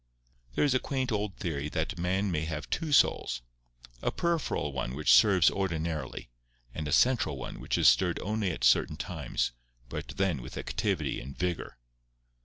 There is a quaint old theory that man may have two souls—a peripheral one which serves ordinarily, and a central one which is stirred only at certain times, but then with activity and vigour.